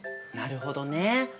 なるほどね。